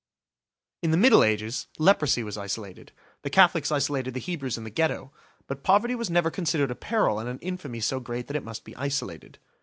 In the Middle Ages, leprosy was isolated: the Catholics isolated the Hebrews in the Ghetto; but poverty was never considered a peril and an infamy so great that it must be isolated.